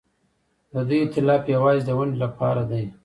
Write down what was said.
د دوی ائتلاف یوازې د ونډې لپاره دی.